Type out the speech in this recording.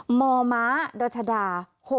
หมอม้าดรชดา๖๒๖